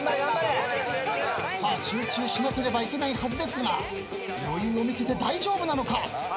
集中しなければいけないはずですが余裕を見せて大丈夫なのか？